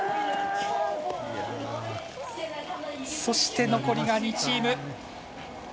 そして、残りが２チーム。